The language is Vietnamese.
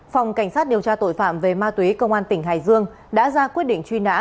phòng cảnh sát điều tra tội phạm về ma túy công an tỉnh hải dương đã ra quyết định truy nã